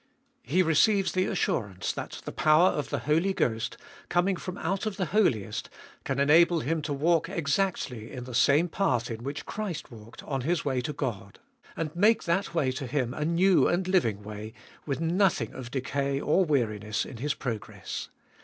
He receives the assurance that the power of the Holy Ghost, coming from out of the Holiest, can enable him to walk exactly in the same path in which Christ walked on His way to God, and make that way to him a new and living way, with nothing of decay or weariness in his progress.